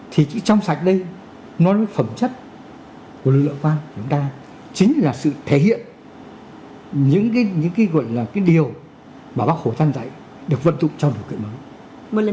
thì trong sạch đây nói với phẩm chất của lực lượng công an chúng ta chính là sự thể hiện những điều mà bác hồ dạy được vận dụng cho lực lượng công an nhân dân